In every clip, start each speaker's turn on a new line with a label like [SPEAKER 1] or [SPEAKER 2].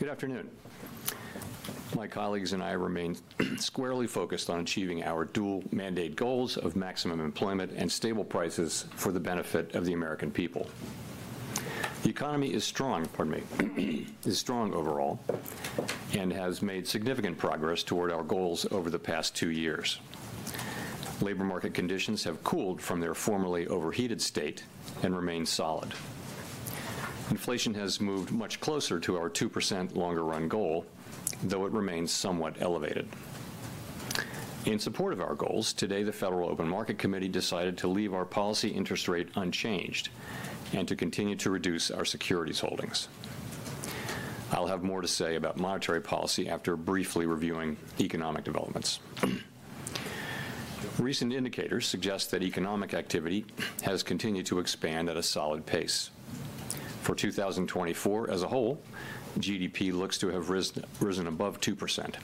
[SPEAKER 1] Good afternoon. My colleagues and I remain squarely focused on achieving our dual-mandate goals of maximum employment and stable prices for the benefit of the American people. The economy is strong, pardon me, is strong overall and has made significant progress toward our goals over the past two years. Labor market conditions have cooled from their formerly overheated state and remain solid. Inflation has moved much closer to our 2% longer-run goal, though it remains somewhat elevated. In support of our goals, today the Federal Open Market Committee decided to leave our policy interest rate unchanged and to continue to reduce our securities holdings. I'll have more to say about monetary policy after briefly reviewing economic developments. Recent indicators suggest that economic activity has continued to expand at a solid pace. For 2024 as a whole, GDP looks to have risen above 2%,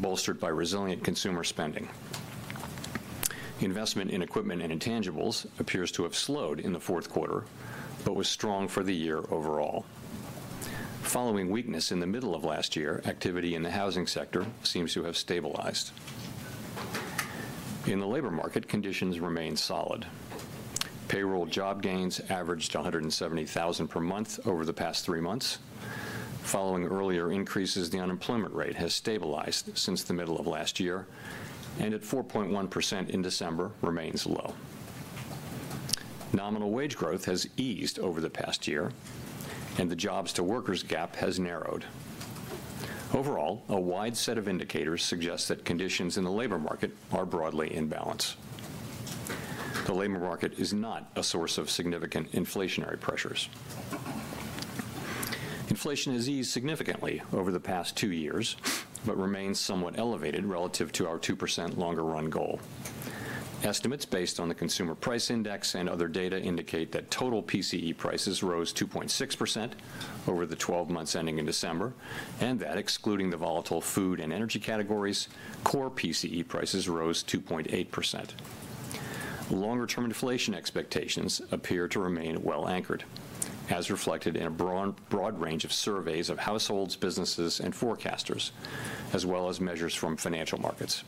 [SPEAKER 1] bolstered by resilient consumer spending. Investment in equipment and intangibles appears to have slowed in the fourth quarter, but was strong for the year overall. Following weakness in the middle of last year, activity in the housing sector seems to have stabilized. In the labor market, conditions remain solid. Payroll job gains averaged 170,000 per month over the past three months. Following earlier increases, the unemployment rate has stabilized since the middle of last year, and at 4.1% in December remains low. Nominal wage growth has eased over the past year, and the jobs-to-workers gap has narrowed. Overall, a wide set of indicators suggests that conditions in the labor market are broadly in balance. The labor market is not a source of significant inflationary pressures. Inflation has eased significantly over the past two years, but remains somewhat elevated relative to our 2% longer-run goal. Estimates based on the Consumer Price Index and other data indicate that total PCE prices rose 2.6% over the 12 months ending in December, and that, excluding the volatile food and energy categories, core PCE prices rose 2.8%. Longer-term inflation expectations appear to remain well anchored, as reflected in a broad range of surveys of households, businesses, and forecasters, as well as measures from financial markets.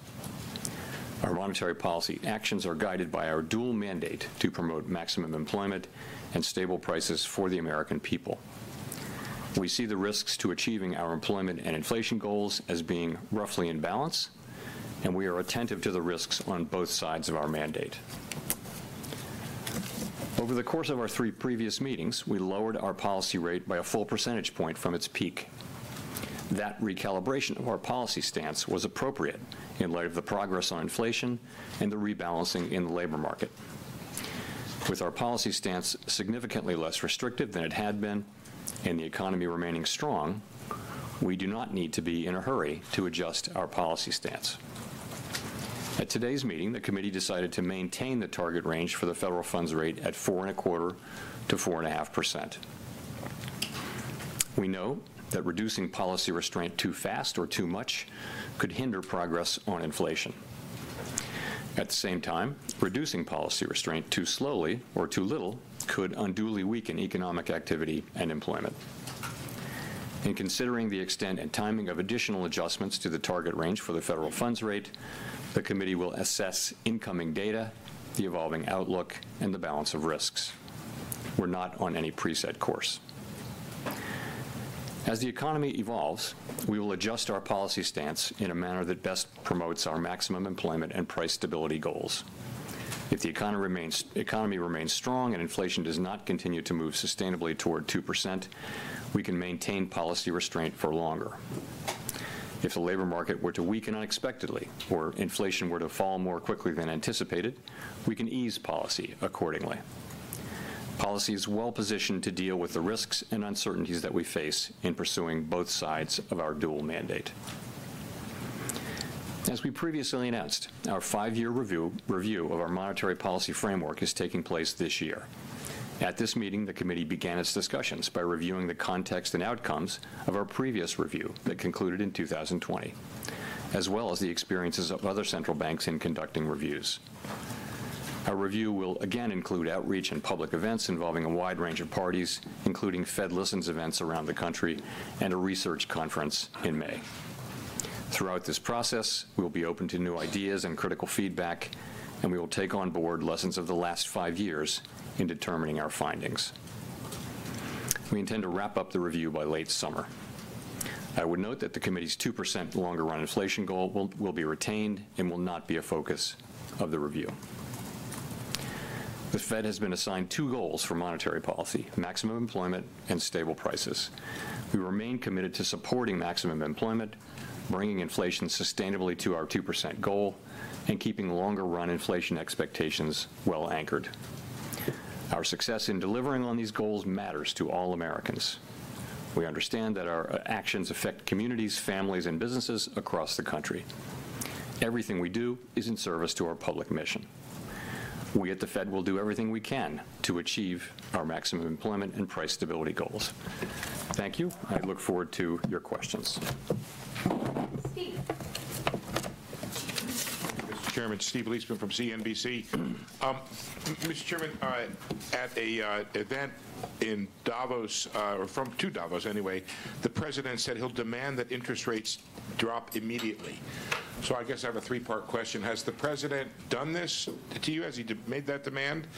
[SPEAKER 1] Our monetary policy actions are guided by our dual mandate to promote maximum employment and stable prices for the American people. We see the risks to achieving our employment and inflation goals as being roughly in balance, and we are attentive to the risks on both sides of our mandate. Over the course of our three previous meetings, we lowered our policy rate by a full percentage point from its peak. That recalibration of our policy stance was appropriate in light of the progress on inflation and the rebalancing in the labor market. With our policy stance significantly less restrictive than it had been and the economy remaining strong, we do not need to be in a hurry to adjust our policy stance. At today's meeting, the Committee decided to maintain the target range for the federal funds rate at 4.25%-4.5%. We know that reducing policy restraint too fast or too much could hinder progress on inflation. At the same time, reducing policy restraint too slowly or too little could unduly weaken economic activity and employment. In considering the extent and timing of additional adjustments to the target range for the federal funds rate, the Committee will assess incoming data, the evolving outlook, and the balance of risks. We're not on any preset course. As the economy evolves, we will adjust our policy stance in a manner that best promotes our maximum employment and price stability goals. If the economy remains strong and inflation does not continue to move sustainably toward 2%, we can maintain policy restraint for longer. If the labor market were to weaken unexpectedly or inflation were to fall more quickly than anticipated, we can ease policy accordingly. Policy is well positioned to deal with the risks and uncertainties that we face in pursuing both sides of our dual mandate. As we previously announced, our five-year review of our monetary policy framework is taking place this year. At this meeting, the Committee began its discussions by reviewing the context and outcomes of our previous review that concluded in 2020, as well as the experiences of other central banks in conducting reviews. Our review will again include outreach and public events involving a wide range of parties, including Fed Listens events around the country and a research conference in May. Throughout this process, we'll be open to new ideas and critical feedback, and we will take on board lessons of the last five years in determining our findings. We intend to wrap up the review by late summer. I would note that the Committee's 2% longer-run inflation goal will be retained and will not be a focus of the review. The Fed has been assigned two goals for monetary policy: maximum employment and stable prices. We remain committed to supporting maximum employment, bringing inflation sustainably to our 2% goal, and keeping longer-run inflation expectations well anchored. Our success in delivering on these goals matters to all Americans. We understand that our actions affect communities, families, and businesses across the country. Everything we do is in service to our public mission. We at the Fed will do everything we can to achieve our maximum employment and price stability goals. Thank you. I look forward to your questions.
[SPEAKER 2] Steve.
[SPEAKER 3] Mr. Chairman, Steve Liesman from CNBC. Mr. Chairman, at an event in Davos or from Davos, too, anyway, the President said he'll demand that interest rates drop immediately. So I guess I have a three-part question: Has the President done this to you? Has he made that demand?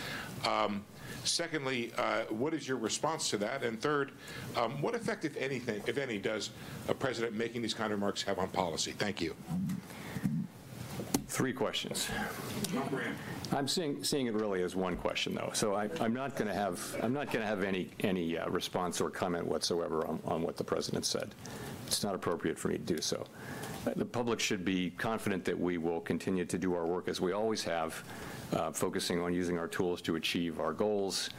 [SPEAKER 3] Secondly, what is your response to that? And third, what effect, if any, does a President making these kind of remarks have on policy? Thank you.
[SPEAKER 1] Three questions. I'm seeing it really as one question, though, so I'm not going to have any response or comment whatsoever on what the President said. It's not appropriate for me to do so. The public should be confident that we will continue to do our work as we always have, focusing on using our tools to achieve our goals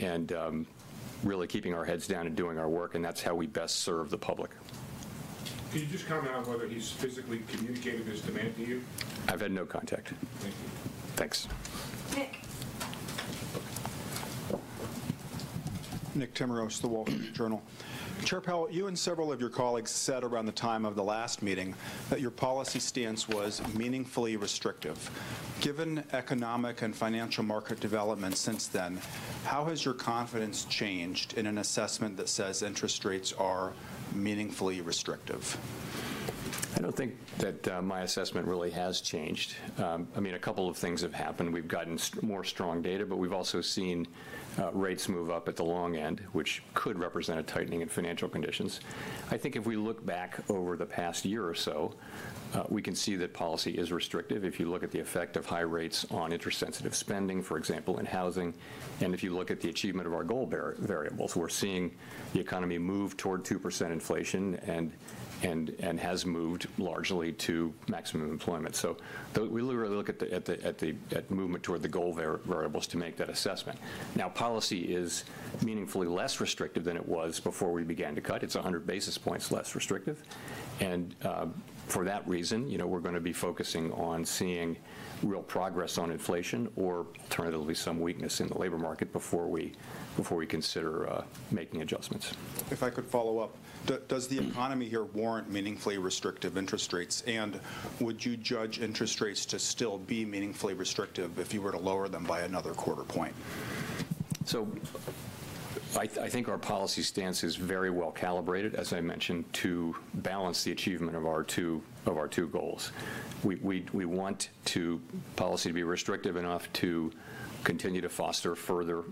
[SPEAKER 1] and really keeping our heads down and doing our work, and that's how we best serve the public.
[SPEAKER 3] Can you just comment on whether he's physically communicated his demand to you?
[SPEAKER 1] I've had no contact.
[SPEAKER 3] Thank you.
[SPEAKER 1] Thanks.
[SPEAKER 2] Nick.
[SPEAKER 4] Nick Timiraos, The Wall Street Journal. Chair Powell, you and several of your colleagues said around the time of the last meeting that your policy stance was meaningfully restrictive. Given economic and financial market developments since then, how has your confidence changed in an assessment that says interest rates are meaningfully restrictive?
[SPEAKER 1] I don't think that my assessment really has changed. I mean, a couple of things have happened. We've gotten more strong data, but we've also seen rates move up at the long end, which could represent a tightening in financial conditions. I think if we look back over the past year or so, we can see that policy is restrictive if you look at the effect of high rates on interest-sensitive spending, for example, in housing. And if you look at the achievement of our goal variables, we're seeing the economy move toward 2% inflation and has moved largely to maximum employment. So we really look at the movement toward the goal variables to make that assessment. Now, policy is meaningfully less restrictive than it was before we began to cut. It's 100 basis points less restrictive. For that reason, you know, we're going to be focusing on seeing real progress on inflation or, alternatively, some weakness in the labor market before we consider making adjustments.
[SPEAKER 4] If I could follow up, does the economy here warrant meaningfully restrictive interest rates? And would you judge interest rates to still be meaningfully restrictive if you were to lower them by another quarter point?
[SPEAKER 1] So I think our policy stance is very well calibrated, as I mentioned, to balance the achievement of our two goals. We want policy to be restrictive enough to continue to foster further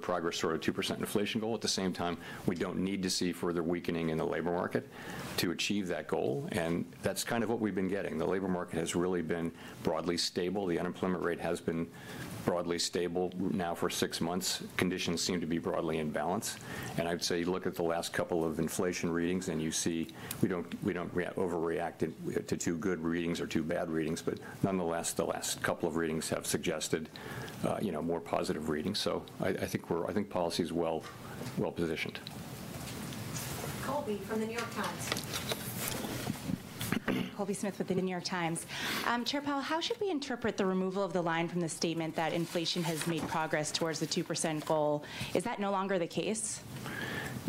[SPEAKER 1] progress toward a 2% inflation goal. At the same time, we don't need to see further weakening in the labor market to achieve that goal. And that's kind of what we've been getting. The labor market has really been broadly stable. The unemployment rate has been broadly stable now for six months. Conditions seem to be broadly in balance. And I'd say you look at the last couple of inflation readings and you see we don't overreact to too good readings or too bad readings, but nonetheless, the last couple of readings have suggested, you know, more positive readings. So I think policy is well positioned.
[SPEAKER 2] Colby from The New York Times.
[SPEAKER 5] Colby Smith with The New York Times. Chair Powell, how should we interpret the removal of the line from the statement that inflation has made progress towards the 2% goal? Is that no longer the case?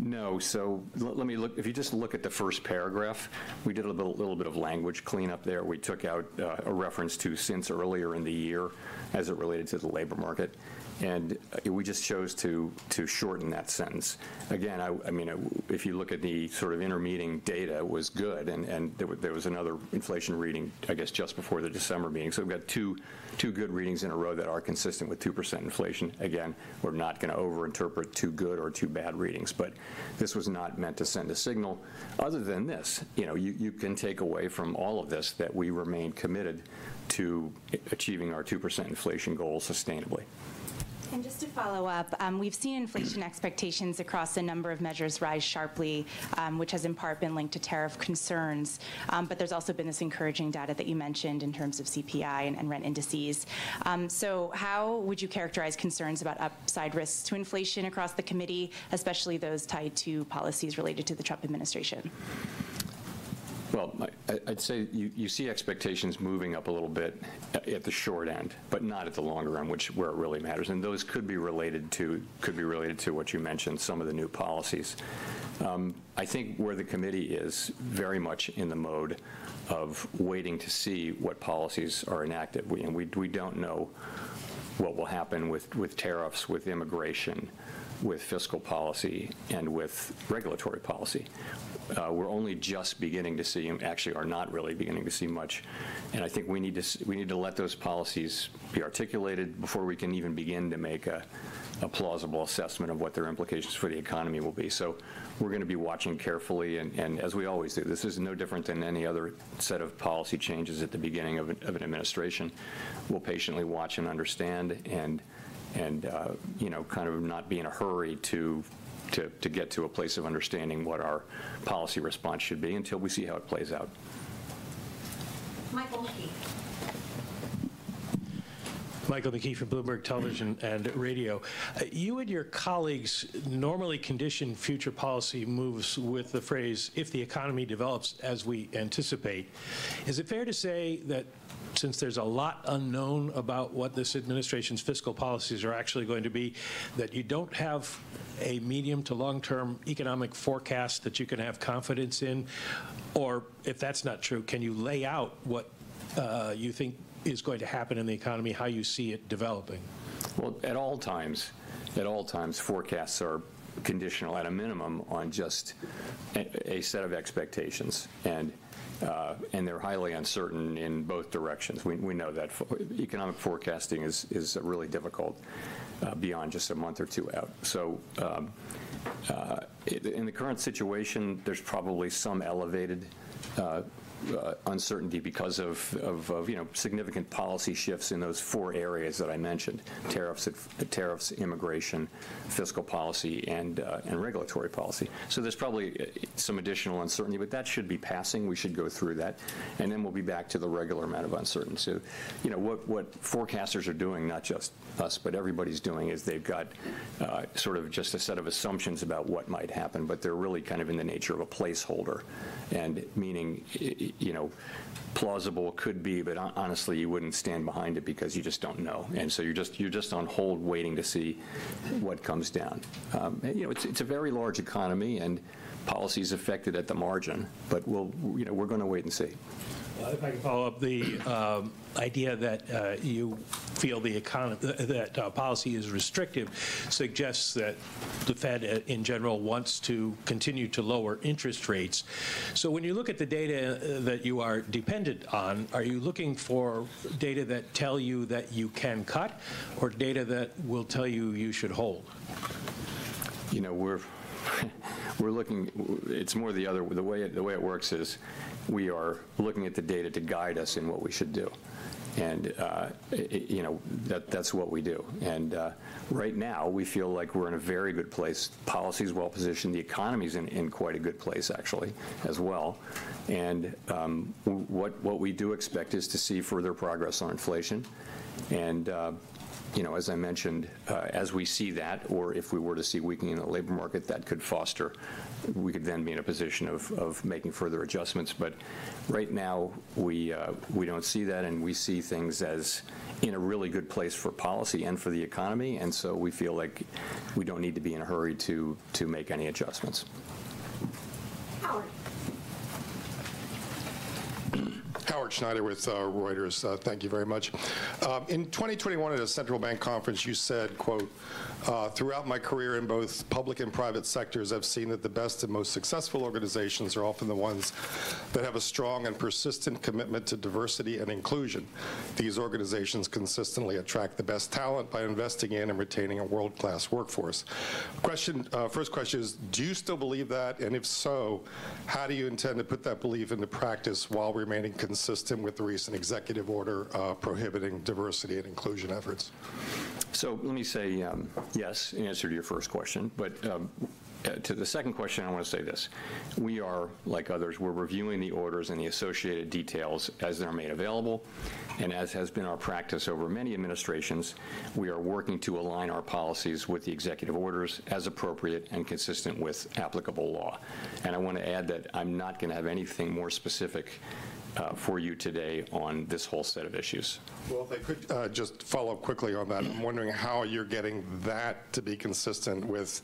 [SPEAKER 1] No. So let me look if you just look at the first paragraph, we did a little bit of language cleanup there. We took out a reference to "since" earlier in the year as it related to the labor market, and we just chose to shorten that sentence. Again, I mean, if you look at the sort of intermeeting data, it was good, and there was another inflation reading, I guess, just before the December meeting. So we've got two good readings in a row that are consistent with 2% inflation. Again, we're not going to overinterpret too good or too bad readings, but this was not meant to send a signal. Other than this, you know, you can take away from all of this that we remain committed to achieving our 2% inflation goal sustainably.
[SPEAKER 5] Just to follow up, we've seen inflation expectations across a number of measures rise sharply, which has in part been linked to tariff concerns. There's also been this encouraging data that you mentioned in terms of CPI and rent indices. How would you characterize concerns about upside risks to inflation across the Committee, especially those tied to policies related to the Trump administration?
[SPEAKER 1] I'd say you see expectations moving up a little bit at the short end, but not at the long end, which is where it really matters. Those could be related to what you mentioned, some of the new policies. I think where the Committee is very much in the mode of waiting to see what policies are enacted. You know, we don't know what will happen with tariffs, with immigration, with fiscal policy, and with regulatory policy. We're only just beginning to see. Actually, we're not really beginning to see much. I think we need to let those policies be articulated before we can even begin to make a plausible assessment of what their implications for the economy will be. We're going to be watching carefully. And as we always do, this is no different than any other set of policy changes at the beginning of an administration. We'll patiently watch and understand and, you know, kind of not be in a hurry to get to a place of understanding what our policy response should be until we see how it plays out.
[SPEAKER 2] Michael McKee.
[SPEAKER 6] Michael McKee from Bloomberg Television and Radio. You and your colleagues normally condition future policy moves with the phrase, "If the economy develops as we anticipate." Is it fair to say that since there's a lot unknown about what this administration's fiscal policies are actually going to be, that you don't have a medium to long-term economic forecast that you can have confidence in? Or if that's not true, can you lay out what you think is going to happen in the economy, how you see it developing?
[SPEAKER 1] At all times, at all times, forecasts are conditional at a minimum on just a set of expectations, and they're highly uncertain in both directions. We know that economic forecasting is really difficult beyond just a month or two out. So in the current situation, there's probably some elevated uncertainty because of, you know, significant policy shifts in those four areas that I mentioned: tariffs, immigration, fiscal policy, and regulatory policy. So there's probably some additional uncertainty, but that should be passing. We should go through that, and then we'll be back to the regular amount of uncertainty. So, you know, what forecasters are doing, not just us, but everybody's doing, is they've got sort of just a set of assumptions about what might happen, but they're really kind of in the nature of a placeholder, and meaning, you know, plausible could be, but honestly, you wouldn't stand behind it because you just don't know. And so you're just on hold waiting to see what comes down. You know, it's a very large economy, and policy is affected at the margin, but we'll, you know, we're going to wait and see.
[SPEAKER 6] If I can follow up, the idea that you feel the economy that policy is restrictive suggests that the Fed, in general, wants to continue to lower interest rates. So when you look at the data that you are dependent on, are you looking for data that tell you that you can cut or data that will tell you you should hold?
[SPEAKER 1] You know, the way it works is we are looking at the data to guide us in what we should do, and you know, that's what we do, and right now, we feel like we're in a very good place. Policy is well positioned. The economy is in quite a good place, actually, as well, and what we do expect is to see further progress on inflation, and you know, as I mentioned, as we see that, or if we were to see weakening of the labor market, we could then be in a position of making further adjustments. But right now, we don't see that, and we see things as in a really good place for policy and for the economy, and so we feel like we don't need to be in a hurry to make any adjustments.
[SPEAKER 2] Howard.
[SPEAKER 7] Howard Schneider with Reuters. Thank you very much. In 2021, at a central bank conference, you said, quote, "Throughout my career in both public and private sectors, I've seen that the best and most successful organizations are often the ones that have a strong and persistent commitment to diversity and inclusion. These organizations consistently attract the best talent by investing in and retaining a world-class workforce." The question is, do you still believe that? And if so, how do you intend to put that belief into practice while remaining consistent with the recent executive order prohibiting diversity and inclusion efforts?
[SPEAKER 1] Let me say yes in answer to your first question. To the second question, I want to say this: We are, like others, we're reviewing the orders and the associated details as they're made available. As has been our practice over many administrations, we are working to align our policies with the executive orders as appropriate and consistent with applicable law. I want to add that I'm not going to have anything more specific for you today on this whole set of issues.
[SPEAKER 7] If I could just follow up quickly on that, I'm wondering how you're getting that to be consistent with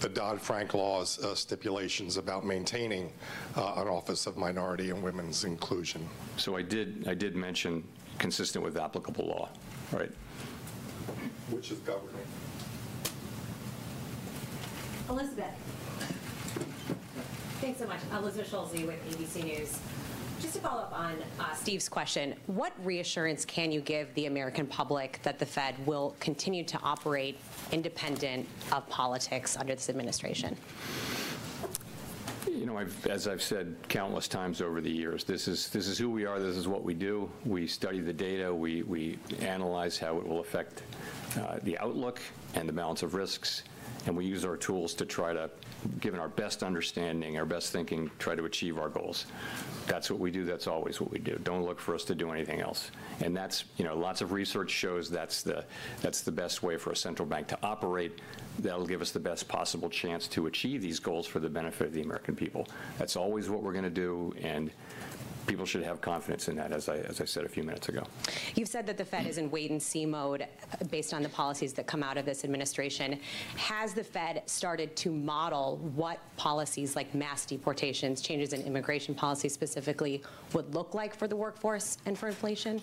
[SPEAKER 7] the Dodd-Frank law's stipulations about maintaining an Office of Minority and Women's Inclusion.
[SPEAKER 1] I did mention consistent with applicable law, right?
[SPEAKER 7] Which is governing.
[SPEAKER 2] Elizabeth.
[SPEAKER 8] Thanks so much. Elizabeth Schulze with ABC News. Just to follow up on Steve's question, what reassurance can you give the American public that the Fed will continue to operate independent of politics under this administration?
[SPEAKER 1] You know, as I've said countless times over the years, this is who we are. This is what we do. We study the data. We analyze how it will affect the outlook and the balance of risks. And we use our tools to try to, given our best understanding, our best thinking, try to achieve our goals. That's what we do. That's always what we do. Don't look for us to do anything else. And that's you know, lots of research shows that's the best way for a central bank to operate that will give us the best possible chance to achieve these goals for the benefit of the American people. That's always what we're going to do, and people should have confidence in that, as I said a few minutes ago.
[SPEAKER 5] You've said that the Fed is in wait-and-see mode based on the policies that come out of this administration. Has the Fed started to model what policies like mass deportations, changes in immigration policy specifically, would look like for the workforce and for inflation?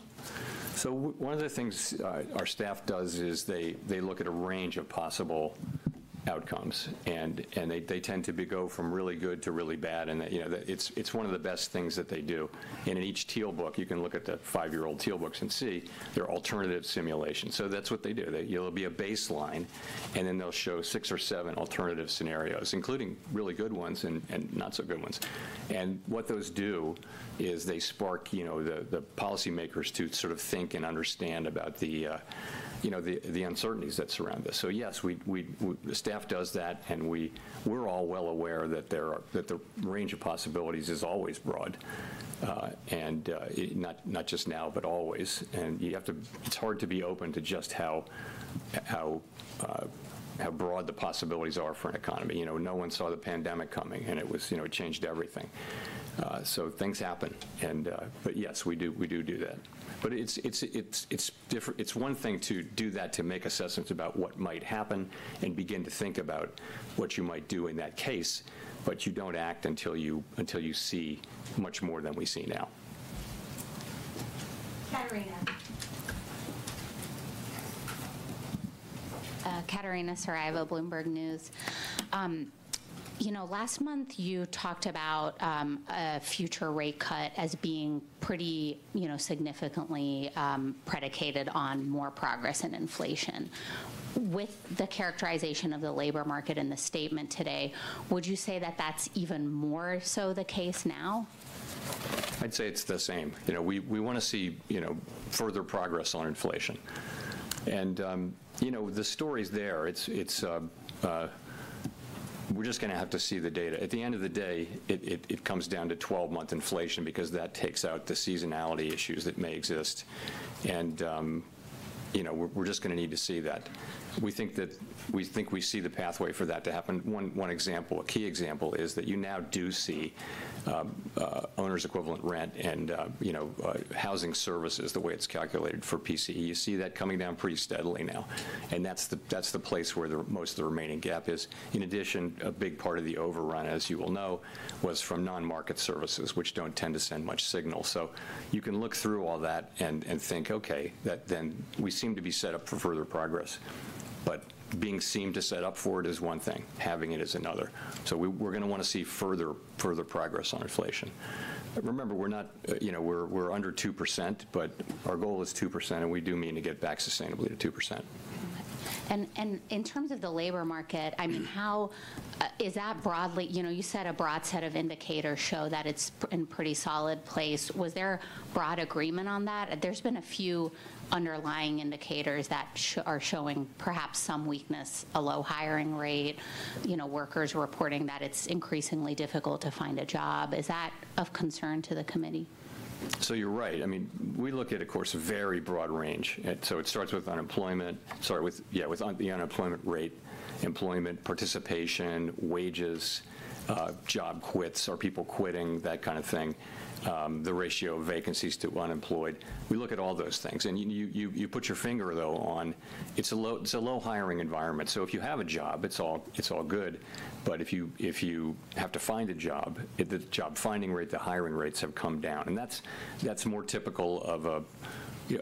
[SPEAKER 1] So one of the things our staff does is they look at a range of possible outcomes, and they tend to go from really good to really bad. And, you know, it's one of the best things that they do. And in each Tealbook, you can look at the five-year-old Tealbooks and see there are alternative simulations. So that's what they do. It'll be a baseline, and then they'll show six or seven alternative scenarios, including really good ones and not-so-good ones. And what those do is they spark, you know, the policymakers to sort of think and understand about the, you know, the uncertainties that surround this. So yes, we the staff does that, and we're all well aware that there are the range of possibilities is always broad, and not just now, but always. And you have to. It's hard to be open to just how broad the possibilities are for an economy. You know, no one saw the pandemic coming, and it was, you know, it changed everything. So things happen. And but yes, we do that. But it's different. It's one thing to do that, to make assessments about what might happen and begin to think about what you might do in that case, but you don't act until you see much more than we see now.
[SPEAKER 2] Catarina.
[SPEAKER 9] Catarina Saraiva, Bloomberg News. You know, last month you talked about a future rate cut as being pretty, you know, significantly predicated on more progress in inflation. With the characterization of the labor market in the statement today, would you say that that's even more so the case now?
[SPEAKER 1] I'd say it's the same. You know, we want to see, you know, further progress on inflation, and you know, the story's there. It's we're just going to have to see the data. At the end of the day, it comes down to 12-month inflation because that takes out the seasonality issues that may exist, and you know, we're just going to need to see that. We think we see the pathway for that to happen. One example, a key example, is that you now do see owners' equivalent rent and, you know, housing services the way it's calculated for PCE. You see that coming down pretty steadily now. And that's the place where most of the remaining gap is. In addition, a big part of the overrun, as you will know, was from non-market services, which don't tend to send much signal. So you can look through all that and think, "Okay, then we seem to be set up for further progress." But being seemed to set up for it is one thing. Having it is another. So we're going to want to see further progress on inflation. Remember, we're not you know, we're under 2%, but our goal is 2%, and we do mean to get back sustainably to 2%.
[SPEAKER 9] In terms of the labor market, I mean, how is that, broadly, you know? You said a broad set of indicators show that it's in pretty solid place. Was there broad agreement on that? There's been a few underlying indicators that are showing perhaps some weakness: a low hiring rate, you know, workers reporting that it's increasingly difficult to find a job. Is that of concern to the Committee?
[SPEAKER 1] You're right. I mean, we look at, of course, a very broad range. It starts with the unemployment rate, labor force participation, wages, job quits, are people quitting, that kind of thing, the ratio of vacancies to unemployed. We look at all those things. You put your finger, though, on. It's a low hiring environment. If you have a job, it's all good. But if you have to find a job, the job-finding rate, the hiring rates have come down. That's more typical of a,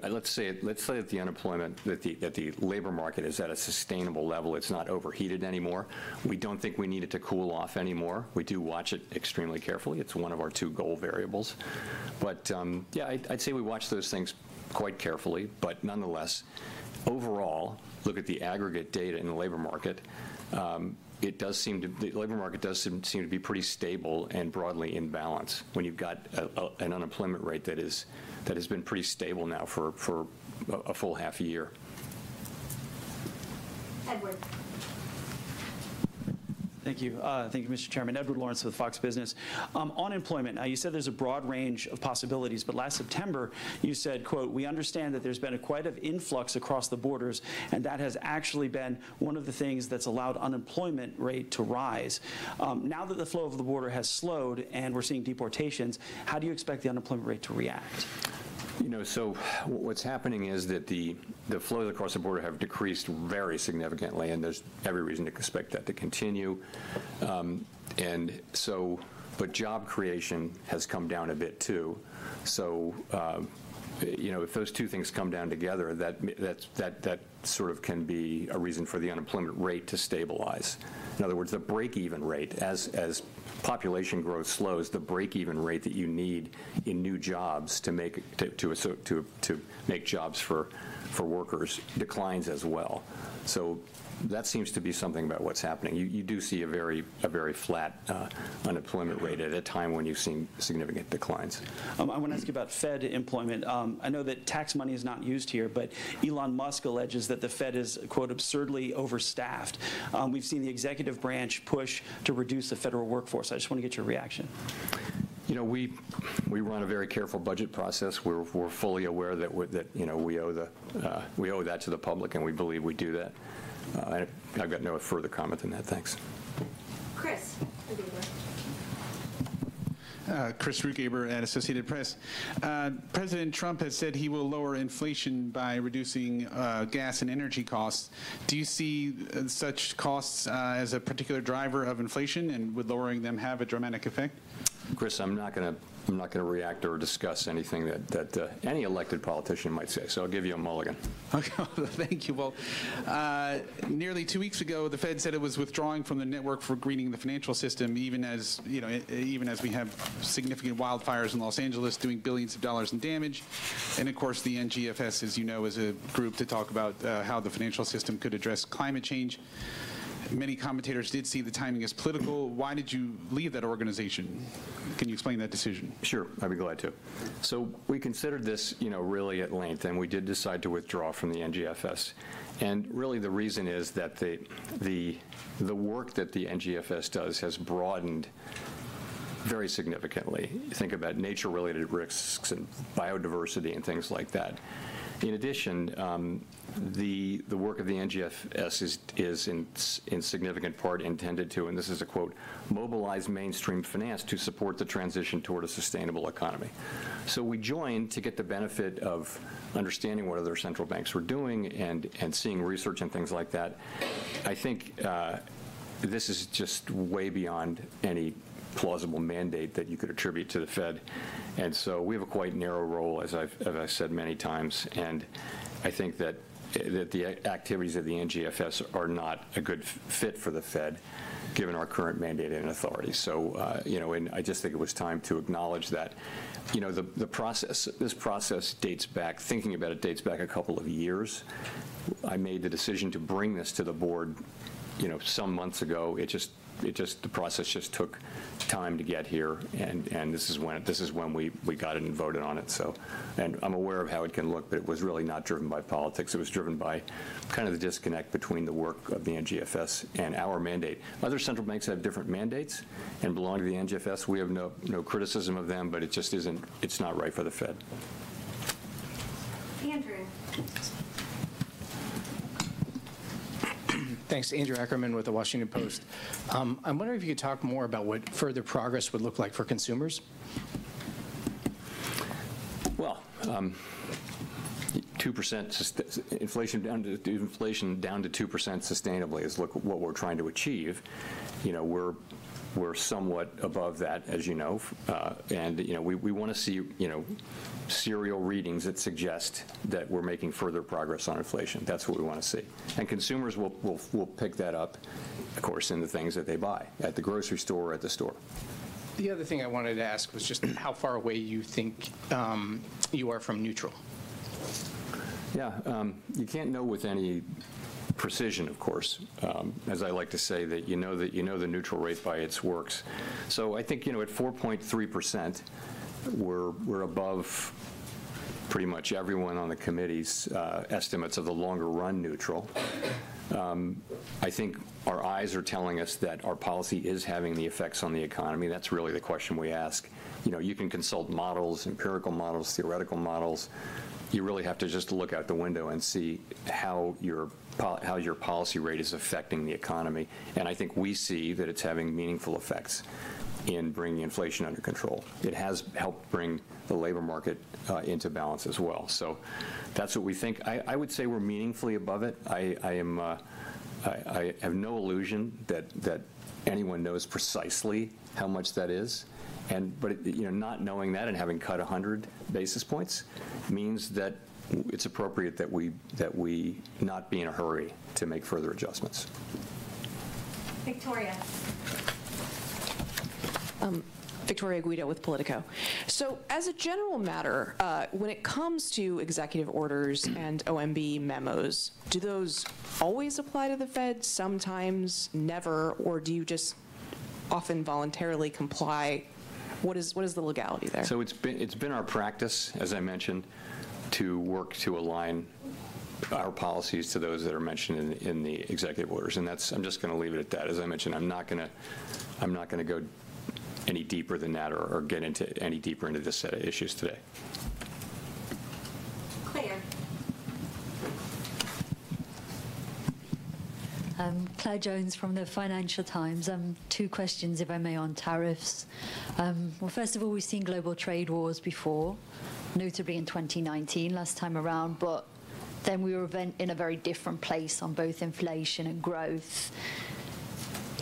[SPEAKER 1] let's say, that the labor market is at a sustainable level. It's not overheated anymore. We don't think we need it to cool off anymore. We do watch it extremely carefully. It's one of our two goal variables. Yeah, I'd say we watch those things quite carefully. Nonetheless, overall, look at the aggregate data in the labor market. It does seem that the labor market does seem to be pretty stable and broadly in balance when you've got an unemployment rate that has been pretty stable now for a full half a year.
[SPEAKER 2] Edward.
[SPEAKER 10] Thank you. Thank you, Mr. Chairman. Edward Lawrence with Fox Business. On unemployment, now, you said there's a broad range of possibilities. But last September, you said, quote, "We understand that there's been a quite an influx across the borders, and that has actually been one of the things that's allowed unemployment rate to rise." Now that the flow of the border has slowed and we're seeing deportations, how do you expect the unemployment rate to react?
[SPEAKER 1] You know, so what's happening is that the flows across the border have decreased very significantly, and there's every reason to expect that to continue. And so but job creation has come down a bit, too. So, you know, if those two things come down together, that sort of can be a reason for the unemployment rate to stabilize. In other words, the break-even rate, as population growth slows, the break-even rate that you need in new jobs to make jobs for workers declines as well. So that seems to be something about what's happening. You do see a very flat unemployment rate at a time when you've seen significant declines.
[SPEAKER 10] I want to ask you about Fed employment. I know that tax money is not used here, but Elon Musk alleges that the Fed is, quote, "absurdly overstaffed." We've seen the executive branch push to reduce the federal workforce. I just want to get your reaction.
[SPEAKER 1] You know, we run a very careful budget process. We're fully aware that, you know, we owe that to the public, and we believe we do that. And I've got no further comment than that. Thanks.
[SPEAKER 2] Chris.
[SPEAKER 11] Chris Rugaber at Associated Press. President Trump has said he will lower inflation by reducing gas and energy costs. Do you see such costs as a particular driver of inflation, and would lowering them have a dramatic effect?
[SPEAKER 1] Chris, I'm not going to react or discuss anything that any elected politician might say. So I'll give you a mulligan.
[SPEAKER 11] Okay. Thank you. Well, nearly two weeks ago, the Fed said it was withdrawing from the Network for Greening the Financial System, even as, you know, even as we have significant wildfires in Los Angeles doing billions of dollars in damage. And, of course, the NGFS, as you know, is a group to talk about how the financial system could address climate change. Many commentators did see the timing as political. Why did you leave that organization? Can you explain that decision?
[SPEAKER 1] Sure. I'd be glad to. So we considered this, you know, really at length, and we did decide to withdraw from the NGFS. And really, the reason is that the work that the NGFS does has broadened very significantly. Think about nature-related risks and biodiversity and things like that. In addition, the work of the NGFS is, in significant part, intended to and this is a quote, "mobilize mainstream finance to support the transition toward a sustainable economy." So we joined to get the benefit of understanding what other central banks were doing and seeing research and things like that. I think this is just way beyond any plausible mandate that you could attribute to the Fed. And so we have a quite narrow role, as I've said many times. And I think that the activities of the NGFS are not a good fit for the Fed, given our current mandate and authority. So, you know, and I just think it was time to acknowledge that, you know, the process dates back, thinking about it, dates back a couple of years. I made the decision to bring this to the board, you know, some months ago. It just, the process just took time to get here. And this is when we got it and voted on it. So, and I'm aware of how it can look, but it was really not driven by politics. It was driven by kind of the disconnect between the work of the NGFS and our mandate. Other central banks have different mandates and belong to the NGFS. We have no criticism of them, but it just isn't. It's not right for the Fed.
[SPEAKER 2] Andrew.
[SPEAKER 12] Thanks. Andrew Ackerman with The Washington Post. I'm wondering if you could talk more about what further progress would look like for consumers.
[SPEAKER 1] 2% inflation down to 2% sustainably is what we're trying to achieve. You know, we're somewhat above that, as you know. You know, we want to see, you know, serial readings that suggest that we're making further progress on inflation. That's what we want to see. Consumers will pick that up, of course, in the things that they buy at the grocery store or at the store.
[SPEAKER 12] The other thing I wanted to ask was just how far away you think you are from neutral?
[SPEAKER 1] Yeah. You can't know with any precision, of course, as I like to say, that you know the neutral rate by its works. So I think, you know, at 4.3%, we're above pretty much everyone on the Committee's estimates of the longer-run neutral. I think our eyes are telling us that our policy is having the effects on the economy. That's really the question we ask. You know, you can consult models, empirical models, theoretical models. You really have to just look out the window and see how your policy rate is affecting the economy. And I think we see that it's having meaningful effects in bringing inflation under control. It has helped bring the labor market into balance as well. So that's what we think. I would say we're meaningfully above it. I have no illusion that anyone knows precisely how much that is. You know, not knowing that and having cut 100 basis points means that it's appropriate that we not be in a hurry to make further adjustments.
[SPEAKER 2] Victoria.
[SPEAKER 13] Victoria Guida with Politico. So as a general matter, when it comes to executive orders and OMB memos, do those always apply to the Fed, sometimes, never, or do you just often voluntarily comply? What is the legality there?
[SPEAKER 1] It's been our practice, as I mentioned, to work to align our policies to those that are mentioned in the executive orders. That's it. I'm just going to leave it at that. As I mentioned, I'm not going to go any deeper than that or get any deeper into this set of issues today.
[SPEAKER 2] Claire.
[SPEAKER 14] Claire Jones from The Financial Times. Two questions, if I may, on tariffs. Well, first of all, we've seen global trade wars before, notably in 2019, last time around. But then we were in a very different place on both inflation and growth.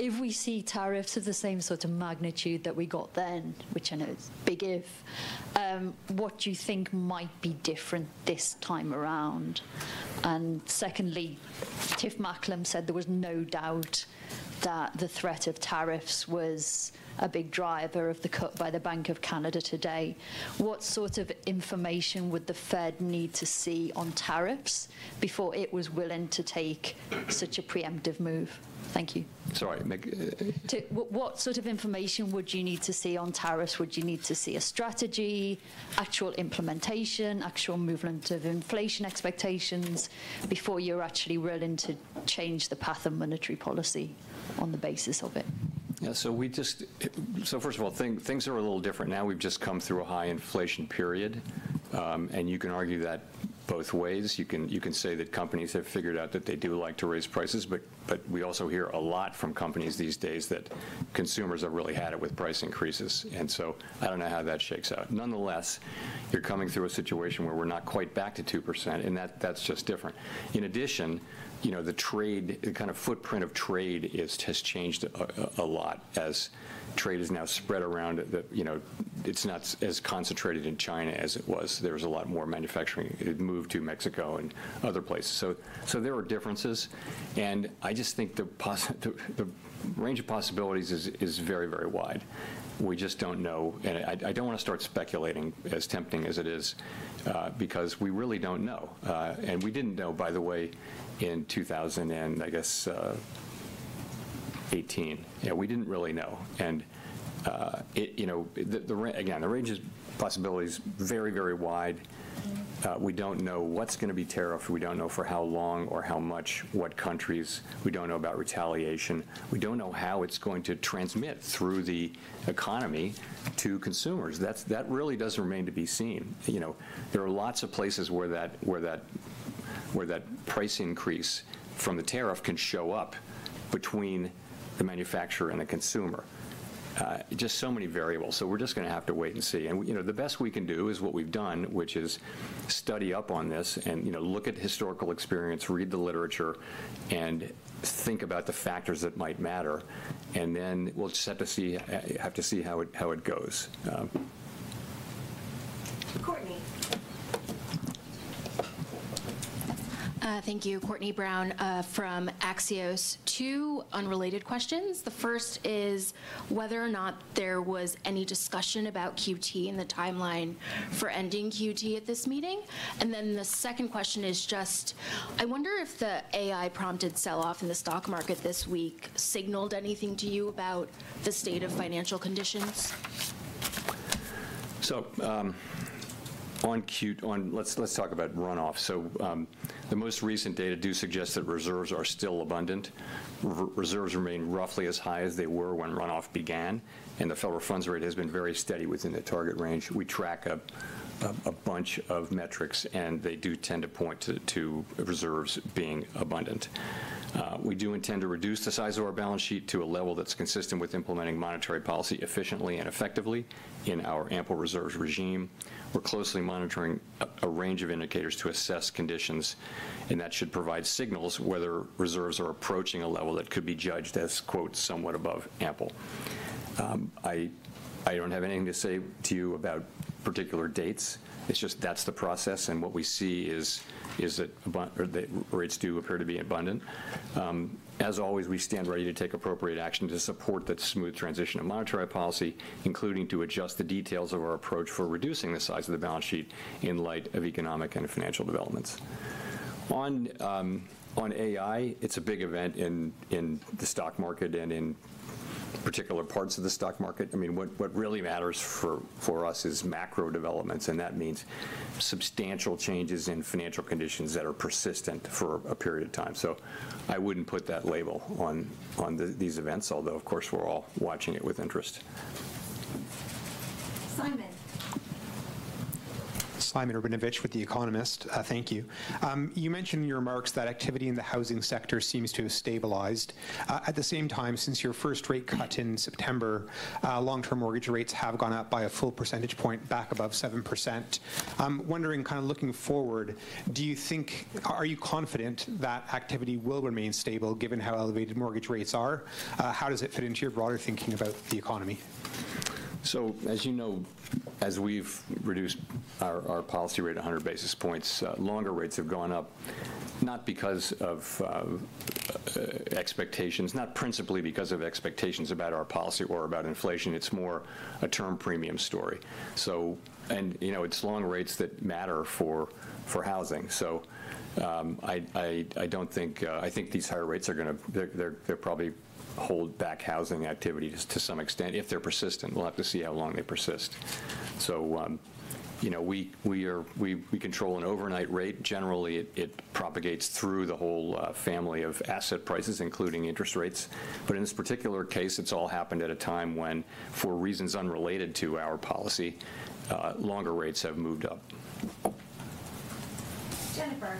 [SPEAKER 14] If we see tariffs of the same sort of magnitude that we got then, which I know is big if, what do you think might be different this time around? And secondly, Tiff Macklem said there was no doubt that the threat of tariffs was a big driver of the cut by the Bank of Canada today. What sort of information would the Fed need to see on tariffs before it was willing to take such a preemptive move? Thank you.
[SPEAKER 1] Sorry.
[SPEAKER 14] What sort of information would you need to see on tariffs? Would you need to see a strategy, actual implementation, actual movement of inflation expectations before you're actually willing to change the path of monetary policy on the basis of it?
[SPEAKER 1] Yeah. So we just first of all, things are a little different now. We've just come through a high inflation period. And you can argue that both ways. You can say that companies have figured out that they do like to raise prices. But we also hear a lot from companies these days that consumers are really had it with price increases. And so I don't know how that shakes out. Nonetheless, you're coming through a situation where we're not quite back to 2%, and that's just different. In addition, you know, the kind of footprint of trade has changed a lot as trade is now spread around. You know, it's not as concentrated in China as it was. There's a lot more manufacturing moved to Mexico and other places. So there are differences. And I just think the range of possibilities is very, very wide. We just don't know, and I don't want to start speculating, as tempting as it is, because we really don't know. We didn't know, by the way, in 2000 and, I guess, 2018. Yeah, we didn't really know, and, you know, again, the range of possibility is very, very wide. We don't know what's going to be tariffed. We don't know for how long or how much what countries. We don't know about retaliation. We don't know how it's going to transmit through the economy to consumers. That really does remain to be seen. You know, there are lots of places where that price increase from the tariff can show up between the manufacturer and the consumer. Just so many variables, so we're just going to have to wait and see. You know, the best we can do is what we've done, which is study up on this and, you know, look at historical experience, read the literature, and think about the factors that might matter. We'll just have to see how it goes.
[SPEAKER 2] Courtenay.
[SPEAKER 15] Thank you. Courtenay Brown from Axios. Two unrelated questions. The first is whether or not there was any discussion about QT and the timeline for ending QT at this meeting. And then the second question is just, I wonder if the AI-prompted sell-off in the stock market this week signaled anything to you about the state of financial conditions?
[SPEAKER 1] Let's talk about runoff, so the most recent data do suggest that reserves are still abundant. Reserves remain roughly as high as they were when runoff began, and the Federal funds rate has been very steady within the target range. We track a bunch of metrics, and they do tend to point to reserves being abundant. We do intend to reduce the size of our balance sheet to a level that's consistent with implementing monetary policy efficiently and effectively in our ample reserves regime. We're closely monitoring a range of indicators to assess conditions, and that should provide signals whether reserves are approaching a level that could be judged as, quote, "somewhat above ample." I don't have anything to say to you about particular dates. It's just that's the process, and what we see is that rates do appear to be abundant. As always, we stand ready to take appropriate action to support that smooth transition of monetary policy, including to adjust the details of our approach for reducing the size of the balance sheet in light of economic and financial developments. On AI, it's a big event in the stock market and in particular parts of the stock market. I mean, what really matters for us is macro developments, and that means substantial changes in financial conditions that are persistent for a period of time, so I wouldn't put that label on these events, although, of course, we're all watching it with interest.
[SPEAKER 2] Simon.
[SPEAKER 16] Simon Rabinovitch with The Economist. Thank you. You mentioned in your remarks that activity in the housing sector seems to have stabilized. At the same time, since your first rate cut in September, long-term mortgage rates have gone up by a full percentage point, back above 7%. I'm wondering, kind of looking forward, do you think are you confident that activity will remain stable given how elevated mortgage rates are? How does it fit into your broader thinking about the economy?
[SPEAKER 1] As you know, as we've reduced our policy rate 100 basis points, longer rates have gone up not because of expectations, not principally because of expectations about our policy or about inflation. It's more a term premium story, and, you know, it's long rates that matter for housing. I don't think these higher rates are going to hold back housing activity just to some extent. If they're persistent, we'll have to see how long they persist. You know, we control an overnight rate. Generally, it propagates through the whole family of asset prices, including interest rates, but in this particular case, it's all happened at a time when, for reasons unrelated to our policy, longer rates have moved up.
[SPEAKER 2] Jennifer.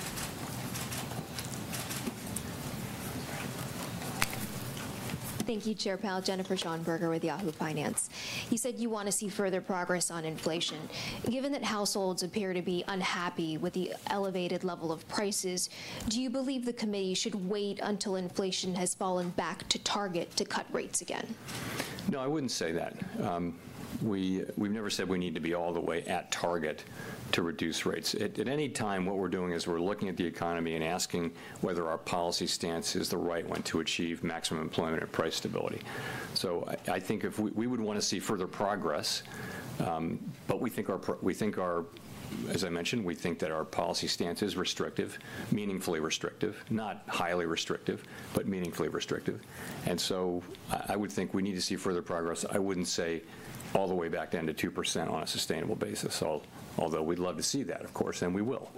[SPEAKER 17] Thank you, Chair Powell. Jennifer Schonberger with Yahoo Finance. You said you want to see further progress on inflation. Given that households appear to be unhappy with the elevated level of prices, do you believe the Committee should wait until inflation has fallen back to target to cut rates again?
[SPEAKER 1] No, I wouldn't say that. We've never said we need to be all the way at target to reduce rates. At any time, what we're doing is we're looking at the economy and asking whether our policy stance is the right one to achieve maximum employment and price stability. So I think if we would want to see further progress, but we think our, as I mentioned, we think that our policy stance is restrictive, meaningfully restrictive, not highly restrictive, but meaningfully restrictive. And so I would think we need to see further progress. I wouldn't say all the way back down to 2% on a sustainable basis, although we'd love to see that, of course, and we will.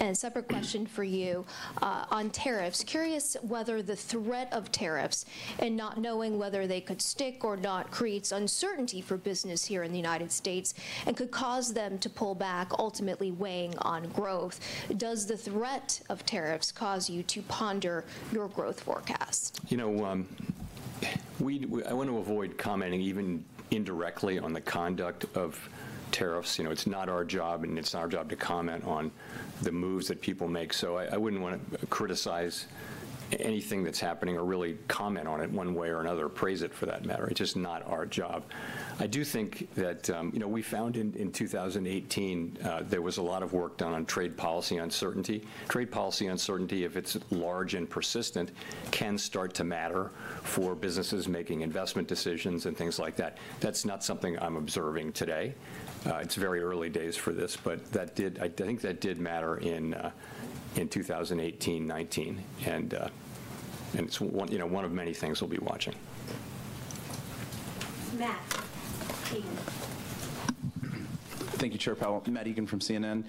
[SPEAKER 17] A separate question for you on tariffs. Curious whether the threat of tariffs and not knowing whether they could stick or not creates uncertainty for business here in the United States and could cause them to pull back, ultimately weighing on growth. Does the threat of tariffs cause you to ponder your growth forecast?
[SPEAKER 1] You know, I want to avoid commenting even indirectly on the conduct of tariffs. You know, it's not our job, and it's not our job to comment on the moves that people make. So I wouldn't want to criticize anything that's happening or really comment on it one way or another, praise it for that matter. It's just not our job. I do think that, you know, we found in 2018 there was a lot of work done on trade policy uncertainty. Trade policy uncertainty, if it's large and persistent, can start to matter for businesses making investment decisions and things like that. That's not something I'm observing today. It's very early days for this. But that did, I think, that did matter in 2018, 2019. And it's, you know, one of many things we'll be watching.
[SPEAKER 2] Matt Egan.
[SPEAKER 18] Thank you, Chair Powell. Matt Egan from CNN.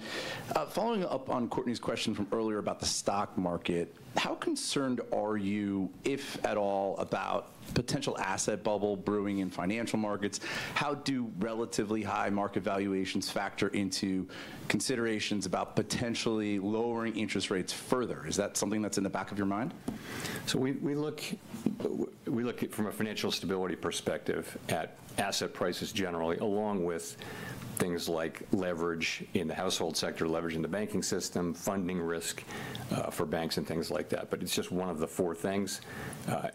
[SPEAKER 18] Following up on Courtenay's question from earlier about the stock market, how concerned are you, if at all, about potential asset bubble brewing in financial markets? How do relatively high market valuations factor into considerations about potentially lowering interest rates further? Is that something that's in the back of your mind?
[SPEAKER 1] So we look at from a financial stability perspective at asset prices generally, along with things like leverage in the household sector, leverage in the banking system, funding risk for banks and things like that. But it's just one of the four things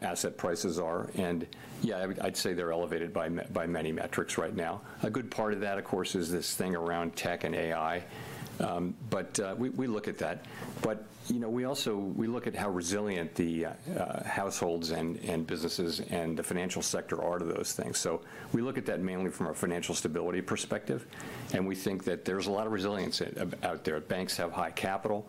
[SPEAKER 1] asset prices are. And yeah, I'd say they're elevated by many metrics right now. A good part of that, of course, is this thing around tech and AI. But we look at that. But, you know, we also look at how resilient the households and businesses and the financial sector are to those things. So we look at that mainly from a financial stability perspective. And we think that there's a lot of resilience out there. Banks have high capital.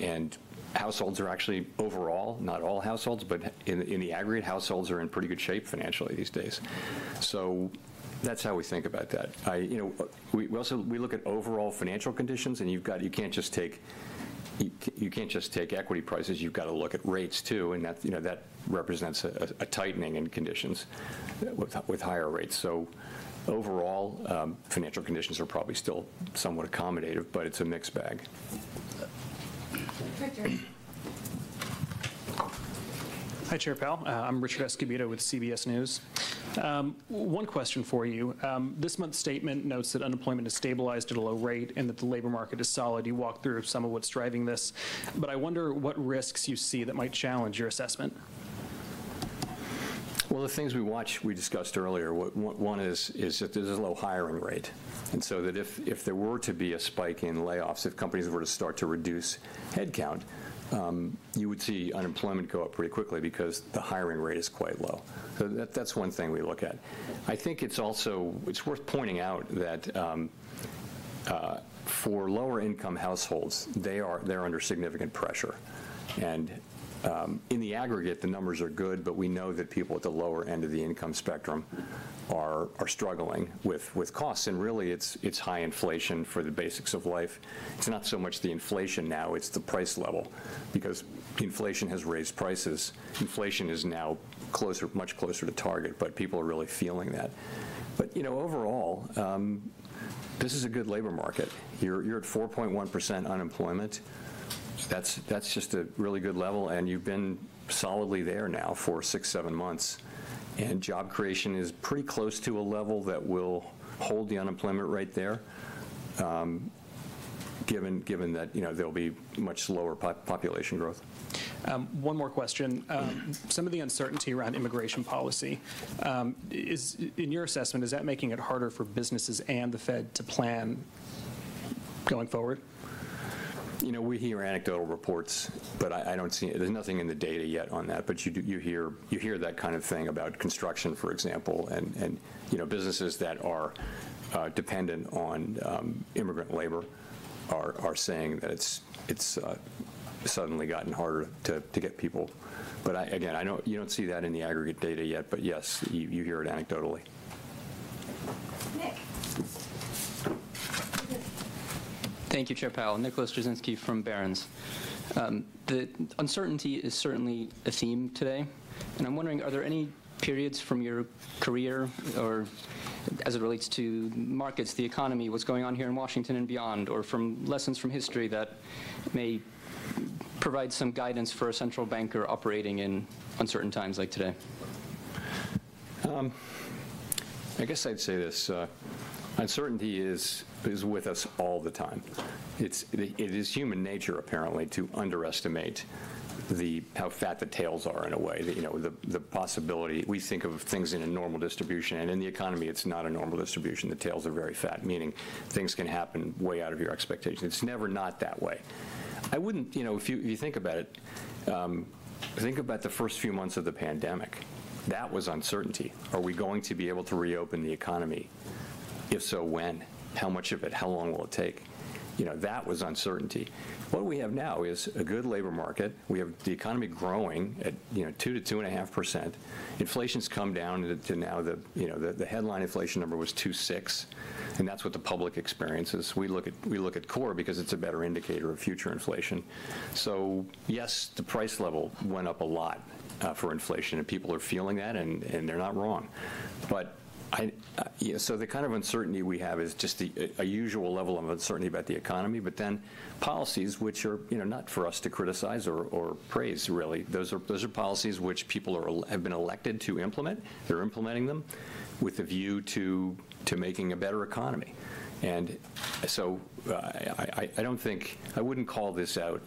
[SPEAKER 1] And households are actually overall, not all households, but in the aggregate, households are in pretty good shape financially these days. So that's how we think about that. You know, we also look at overall financial conditions. And you've got, you can't just take equity prices. You've got to look at rates too. And that, you know, that represents a tightening in conditions with higher rates. So overall, financial conditions are probably still somewhat accommodative, but it's a mixed bag.
[SPEAKER 2] Richard.
[SPEAKER 19] Hi, Chair Powell. I'm Richard Escobedo with CBS News. One question for you. This month's statement notes that unemployment has stabilized at a low rate and that the labor market is solid. You walked through some of what's driving this. But I wonder what risks you see that might challenge your assessment.
[SPEAKER 1] The things we watch, we discussed earlier. One is that there's a low hiring rate, and so that if there were to be a spike in layoffs, if companies were to start to reduce headcount, you would see unemployment go up pretty quickly because the hiring rate is quite low. So that's one thing we look at. I think it's also worth pointing out that for lower-income households, they are under significant pressure, and in the aggregate, the numbers are good, but we know that people at the lower end of the income spectrum are struggling with costs, and really, it's high inflation for the basics of life. It's not so much the inflation now. It's the price level. Because inflation has raised prices. Inflation is now much closer to target, but people are really feeling that. But, you know, overall, this is a good labor market. You're at 4.1% unemployment. That's just a really good level. And you've been solidly there now for six, seven months. And job creation is pretty close to a level that will hold the unemployment rate there, given that, you know, there'll be much lower population growth.
[SPEAKER 19] One more question. Some of the uncertainty around immigration policy, in your assessment, is that making it harder for businesses and the Fed to plan going forward?
[SPEAKER 1] You know, we hear anecdotal reports. But I don't see. There's nothing in the data yet on that. But you hear that kind of thing about construction, for example. And, you know, businesses that are dependent on immigrant labor are saying that it's suddenly gotten harder to get people. But, again, I know you don't see that in the aggregate data yet. But yes, you hear it anecdotally.
[SPEAKER 2] Nick.
[SPEAKER 20] Thank you, Chair Powell. Nicholas Jasinski from Barron's. The uncertainty is certainly a theme today, and I'm wondering, are there any periods from your career or as it relates to markets, the economy, what's going on here in Washington and beyond, or from lessons from history that may provide some guidance for a central banker operating in uncertain times like today?
[SPEAKER 1] I guess I'd say this: uncertainty is with us all the time. It is human nature, apparently, to underestimate the how fat the tails are in a way. You know, the possibility we think of things in a normal distribution. And in the economy, it's not a normal distribution. The tails are very fat, meaning things can happen way out of your expectations. It's never not that way. I wouldn't, you know, if you think about it, the first few months of the pandemic. That was uncertainty. Are we going to be able to reopen the economy? If so, when? How much of it? How long will it take? You know, that was uncertainty. What we have now is a good labor market. We have the economy growing at, you know, 2%-2.5%. Inflation's come down to now the, you know, the headline inflation number was 2.6. And that's what the public experiences. We look at core because it's a better indicator of future inflation. So yes, the price level went up a lot for inflation. And people are feeling that. And they're not wrong. But so the kind of uncertainty we have is just a usual level of uncertainty about the economy. But then policies, which are, you know, not for us to criticize or praise, really, those are policies which people have been elected to implement. They're implementing them with a view to making a better economy. And so I don't think I wouldn't call this out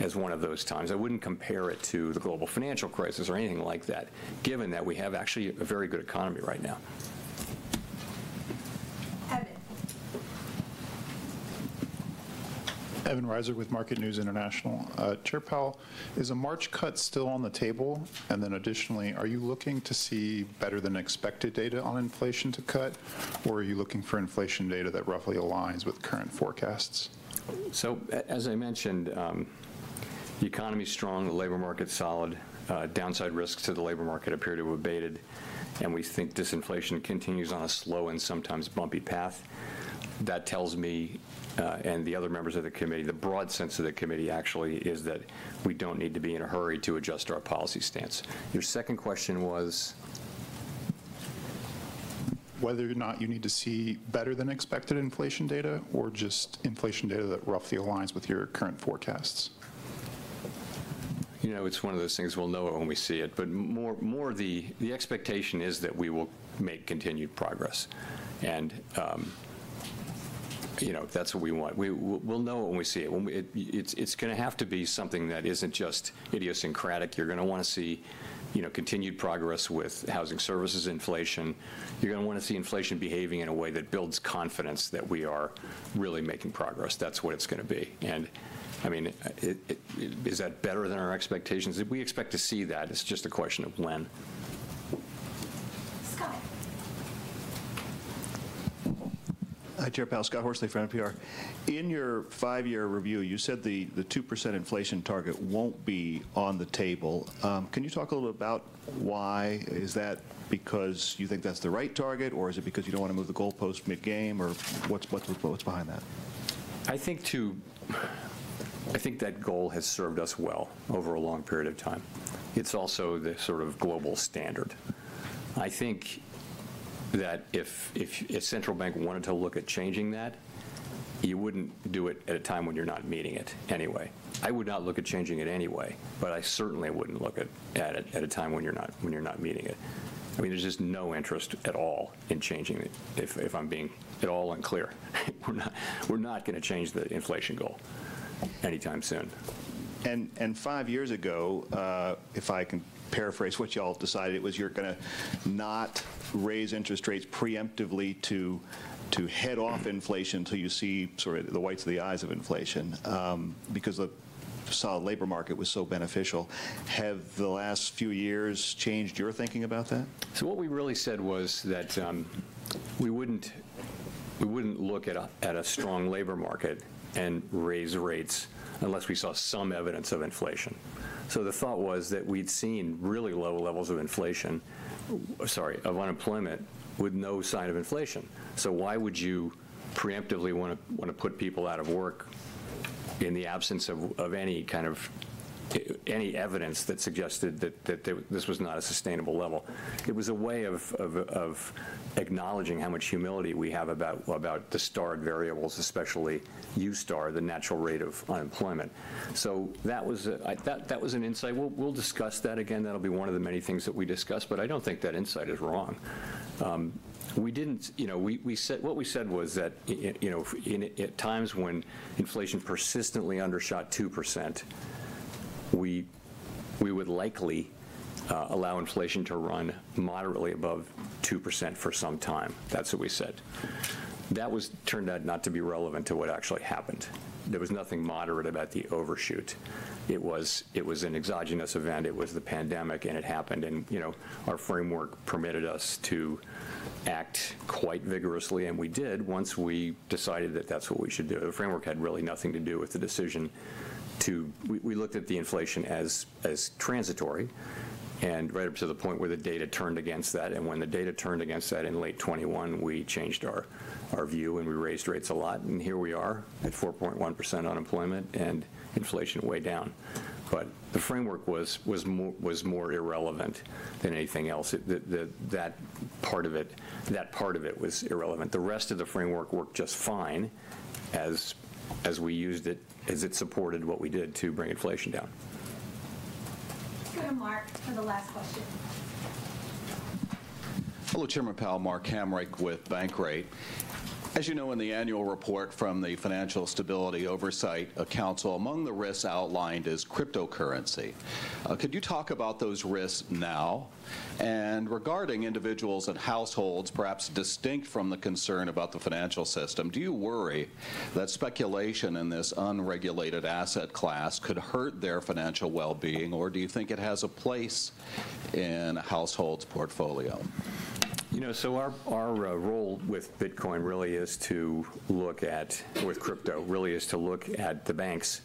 [SPEAKER 1] as one of those times. I wouldn't compare it to the global financial crisis or anything like that, given that we have actually a very good economy right now.
[SPEAKER 2] Evan.
[SPEAKER 21] Evan Ryser with Market News International. Chair Powell, is a March cut still on the table? And then additionally, are you looking to see better-than-expected data on inflation to cut? Or are you looking for inflation data that roughly aligns with current forecasts?
[SPEAKER 1] As I mentioned, the economy's strong, the labor market's solid. Downside risks to the labor market appear to have abated. We think disinflation continues on a slow and sometimes bumpy path. That tells me and the other members of the Committee, the broad sense of the Committee actually is that we don't need to be in a hurry to adjust our policy stance. Your second question was.
[SPEAKER 21] Whether or not you need to see better-than-expected inflation data or just inflation data that roughly aligns with your current forecasts?
[SPEAKER 1] You know, it's one of those things we'll know it when we see it. But more the expectation is that we will make continued progress. And, you know, that's what we want. We'll know it when we see it. It's going to have to be something that isn't just idiosyncratic. You're going to want to see, you know, continued progress with housing services inflation. You're going to want to see inflation behaving in a way that builds confidence that we are really making progress. That's what it's going to be. And, I mean, is that better than our expectations? If we expect to see that, it's just a question of when.
[SPEAKER 2] Scott.
[SPEAKER 22] Hi, Chair Powell. Scott Horsley, NPR. In your five-year review, you said the 2% inflation target won't be on the table. Can you talk a little bit about why? Is that because you think that's the right target? Or is it because you don't want to move the goalpost mid-game? Or what's behind that?
[SPEAKER 1] I think, too, I think that goal has served us well over a long period of time. It's also the sort of global standard. I think that if a central bank wanted to look at changing that, you wouldn't do it at a time when you're not meeting it anyway. I would not look at changing it anyway. But I certainly wouldn't look at it at a time when you're not meeting it. I mean, there's just no interest at all in changing it, if I'm being at all unclear. We're not going to change the inflation goal anytime soon, and five years ago, if I can paraphrase what y'all decided, it was you're going to not raise interest rates preemptively to head off inflation until you see sort of the whites of the eyes of inflation. Because the solid labor market was so beneficial. Have the last few years changed your thinking about that? So what we really said was that we wouldn't look at a strong labor market and raise rates unless we saw some evidence of inflation. So the thought was that we'd seen really low levels of inflation sorry, of unemployment with no sign of inflation. So why would you preemptively want to put people out of work in the absence of any kind of evidence that suggested that this was not a sustainable level? It was a way of acknowledging how much humility we have about the starred variables, especially (u)*, the natural rate of unemployment. So that was an insight. We'll discuss that again. That'll be one of the many things that we discuss. But I don't think that insight is wrong. We didn't you know, we said what we said was that, you know, at times when inflation persistently undershot 2%, we would likely allow inflation to run moderately above 2% for some time. That's what we said. That was turned out not to be relevant to what actually happened. There was nothing moderate about the overshoot. It was an exogenous event. It was the pandemic. And it happened. And, you know, our framework permitted us to act quite vigorously. And we did once we decided that that's what we should do. The framework had really nothing to do with the decision to we looked at the inflation as transitory and right up to the point where the data turned against that. And when the data turned against that in late 2021, we changed our view. And we raised rates a lot. And here we are at 4.1% unemployment and inflation way down. But the framework was more irrelevant than anything else. That part of it was irrelevant. The rest of the framework worked just fine as we used it as it supported what we did to bring inflation down.
[SPEAKER 2] Let's go to Mark for the last question.
[SPEAKER 23] Hello, Chairman Powell. Mark Hamrick with Bankrate. As you know, in the annual report from the Financial Stability Oversight Council, among the risks outlined is cryptocurrency. Could you talk about those risks now? And regarding individuals and households, perhaps distinct from the concern about the financial system, do you worry that speculation in this unregulated asset class could hurt their financial well-being? Or do you think it has a place in a household's portfolio?
[SPEAKER 1] You know, so our role with Bitcoin really is to look at crypto really is to look at the banks.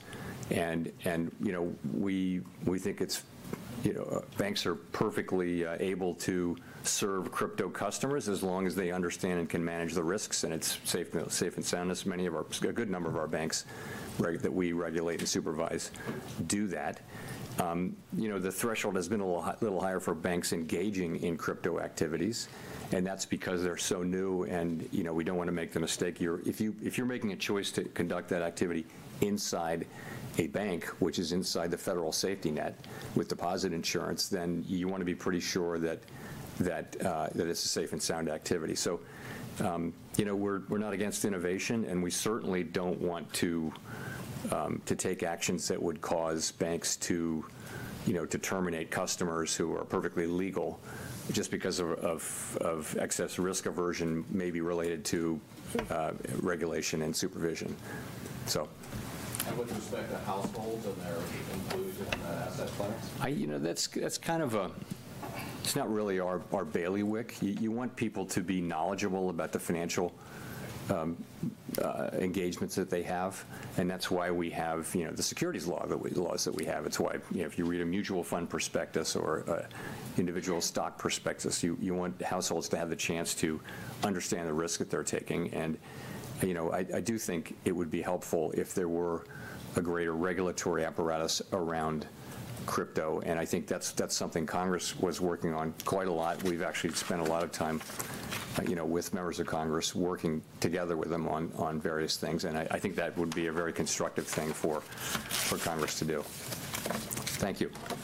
[SPEAKER 1] And, you know, we think it's, you know, banks are perfectly able to serve crypto customers as long as they understand and can manage the risks. And it's safe and sound. As many of our, a good number of our banks that we regulate and supervise do that. You know, the threshold has been a little higher for banks engaging in crypto activities. And that's because they're so new. And, you know, we don't want to make the mistake. If you're making a choice to conduct that activity inside a bank, which is inside the federal safety net with deposit insurance, then you want to be pretty sure that it's a safe and sound activity. So, you know, we're not against innovation. We certainly don't want to take actions that would cause banks to, you know, to terminate customers who are perfectly legal just because of excess risk aversion, maybe related to regulation and supervision. So.
[SPEAKER 23] With respect to households and their inclusion in the asset class?
[SPEAKER 1] You know, that's kind of, it's not really our bailiwick. You want people to be knowledgeable about the financial engagements that they have, and that's why we have, you know, the securities laws that we have. It's why, you know, if you read a mutual fund prospectus or an individual stock prospectus, you want households to have the chance to understand the risk that they're taking, and, you know, I do think it would be helpful if there were a greater regulatory apparatus around crypto, and I think that's something Congress was working on quite a lot. We've actually spent a lot of time, you know, with members of Congress working together with them on various things, and I think that would be a very constructive thing for Congress to do. Thank you.